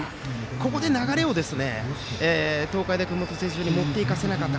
ここで流れを東海大熊本星翔に持っていかせなかった。